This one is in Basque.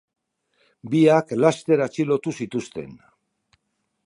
Biak laster atxilotu zituzten.